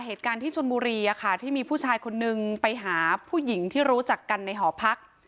เหตุการณ์ที่ชนบุรีที่มีผู้ชายคนนึงไปหาผู้หญิงที่รู้จักกันในหอพัก